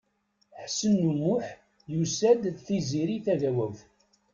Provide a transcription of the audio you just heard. Ḥsen U Muḥ yusa-d d Tiziri Tagawawt.